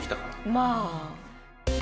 まあ。